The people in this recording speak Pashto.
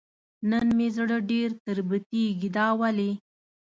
نن مې زړه ډېر تربتېږي دا ولې ؟